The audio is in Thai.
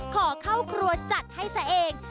ขอเข้าครัวจัดให้ซะเอง